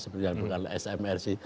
seperti yang dilakukan oleh smrc